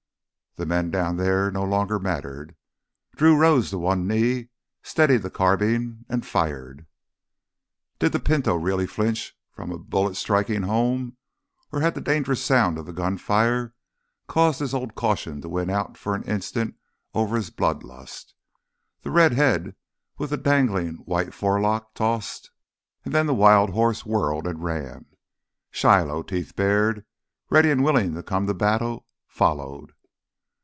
The men down there no longer mattered. Drew rose to one knee, steadied the carbine, and fired. Did the Pinto really flinch from a bullet striking home? Or had the dangerous sound of gunfire caused his old caution to win out for an instant over his blood lust? The red head with the dangling white forelock tossed, and then the wild horse whirled and ran. Shiloh, teeth bared, ready and willing to come to battle, followed....